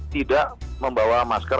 tidak membawa masker